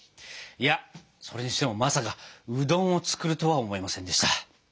いやそれにしてもまさかうどんを作るとは思いませんでした。